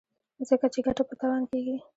ځکه چې ګټه په تاوان کېږي.